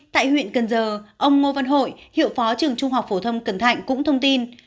tại huyện cần giờ ông ngô văn hội hiệu phó trường trung học phổ thông cần thạnh cũng thông tin